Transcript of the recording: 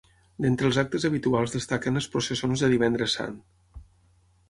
D'entre els actes habituals destaquen les processons de Divendres Sant.